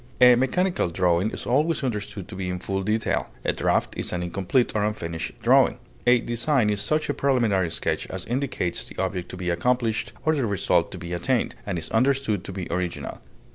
A mechanical drawing is always understood to be in full detail; a draft is an incomplete or unfinished drawing; a design is such a preliminary sketch as indicates the object to be accomplished or the result to be attained, and is understood to be original.